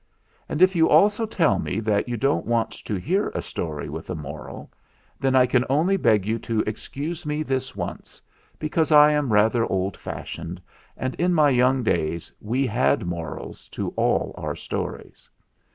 And if you also tell me that you don't want to hear a story with a moral, then I can only beg you to excuse me this once, because I am rather old fashioned, and, in my young days, we had morals to all our stories.